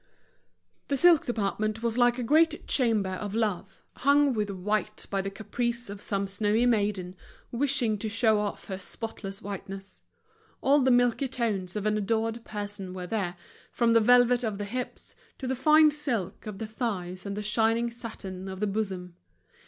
The silk department was like a great chamber of love, hung with white by the caprice of some snowy maiden wishing to show off her spotless whiteness. All the milky tones of an adored person were there, from the velvet of the hips, to the fine silk of the thighs and the shining satin of the bosom.